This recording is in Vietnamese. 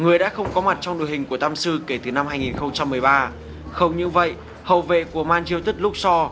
người đã không có mặt trong đội hình của ta